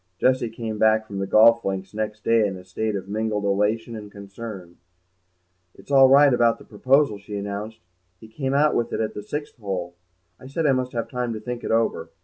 Jessie came back from the golf links next day in a state of mingled elation and concern. "It's all right about the proposal," she announced; "he came out with it at the sixth hole. I said I must have time to think it over.